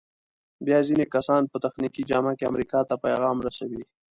بیا ځینې کسان په تخنیکي جامه کې امریکا ته پیغام رسوي.